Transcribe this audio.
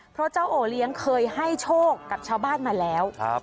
เพราะเจ้าโอเลี้ยงเคยให้โชคกับชาวบ้านมาแล้ว